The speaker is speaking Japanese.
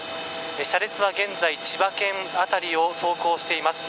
車列は現在千葉県辺りを走行しています。